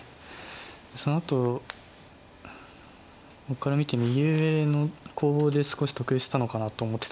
そのあと僕から見て右上のコウで少し得したのかなと思ってたんですけど。